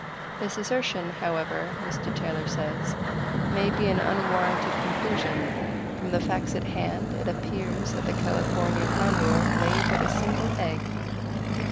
This assertion, however, Mr. Taylor says, may be an unwarranted conclusion. From the facts at hand, it appears that the California Condor lays but a single egg.